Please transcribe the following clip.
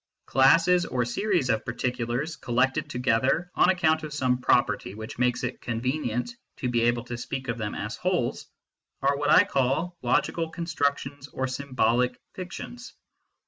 Classes or series of particulars, collected to gether on account of some property which makes it con venient to be able to speak of them as wholes, are what I call logical constructions or symbolic fictions.